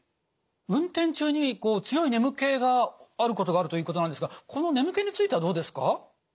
運転中に強い眠気があることがあるということなんですがこの眠気についてはどうですか？